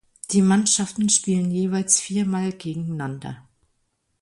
Die Mannschaften spielen jeweils vier Mal gegeneinander.